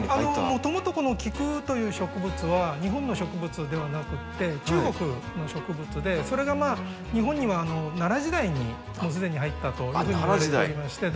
もともとこの菊という植物は日本の植物ではなくて中国の植物でそれが日本には奈良時代にもう既に入ったというふうにいわれておりまして。